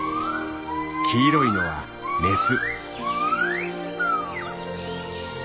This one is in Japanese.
黄色いのはメス。